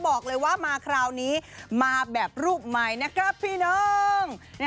บอกเลยว่ามาคราวนี้มาแบบรูปใหม่นะครับพี่น้อง